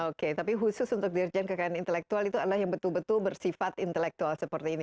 oke tapi khusus untuk dirjen kekayaan intelektual itu adalah yang betul betul bersifat intelektual seperti ini